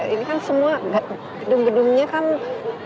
ini kan semua gedung gedungnya kan aspek budaya